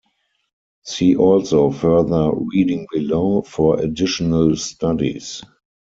See also further reading below for additional studies.